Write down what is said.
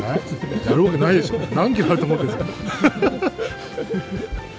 やるわけないでしょ、何キロあると思ってるんですか。